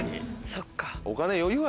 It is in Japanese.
そっか。